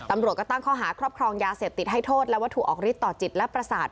ตำรวจก็ตั้งข้อหาครอบครองยาเสพติดให้โทษและวัตถุออกฤทธิต่อจิตและประสาท